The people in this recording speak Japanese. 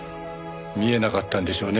見えなかったんでしょうね。